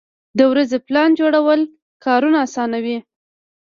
د ورځې پلان جوړول کارونه اسانوي.